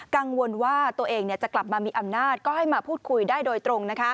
กังวลว่าตัวเองจะกลับมามีอำนาจก็ให้มาพูดคุยได้โดยตรง